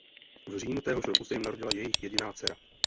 V říjnu téhož roku se jim narodila jejich jediná dcera.